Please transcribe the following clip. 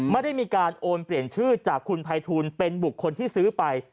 ไม่ได้มีการโอนเปลี่ยนชื่อจากคุณภัยทูลเป็นบุคคลที่ซื้อไป